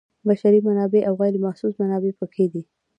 بشري منابع او غیر محسوس منابع پکې دي.